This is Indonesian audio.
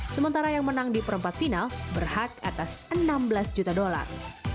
sementara yang menang di perempat final berhak atas enam belas juta dolar